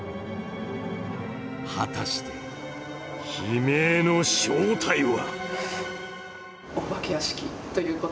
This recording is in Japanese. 果たして、悲鳴の正体は？